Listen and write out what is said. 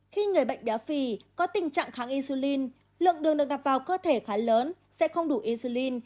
khi người bệnh béo phì có tình trạng kháng insulin lượng đường được đặt vào cơ thể khá lớn sẽ không đủ insulin